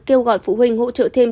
kêu gọi phụ huynh hỗ trợ thêm